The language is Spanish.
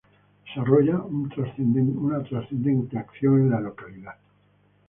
Desarrolla una trascendente acción en la localidad.